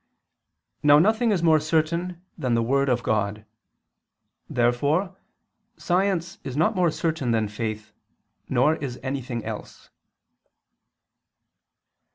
Now nothing is more certain than the word of God. Therefore science is not more certain than faith; nor is anything else.